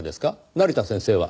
成田先生は？